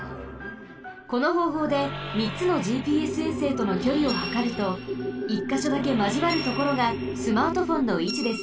このほうほうでみっつのＧＰＳ衛星とのきょりをはかると１かしょだけまじわるところがスマートフォンのいちです。